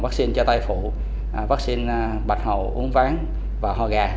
vaccine cho tay phụ vaccine bạch hậu uống ván và hò gà